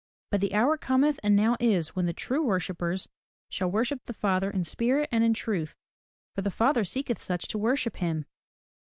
But the hour Cometh, and now is, when the true worshippers shall worship the Father in spirit and in truth: for the Father seeketh such to worship him.